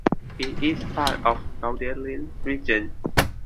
It is part of the Gauldalen region.